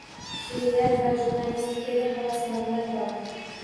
She’riyat va jurnalistikaga havasmandlar bor.